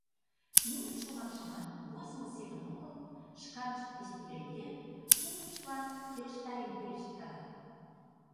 Мурын шомакшымат возымо семын огыл, шканышт вестӱрлемден, кумылыштлан келыштарен пелешткалат.